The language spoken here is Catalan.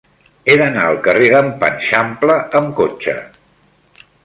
He d'anar al carrer d'en Panxampla amb cotxe.